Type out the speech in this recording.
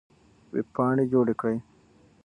وېبپاڼې جوړې کړئ.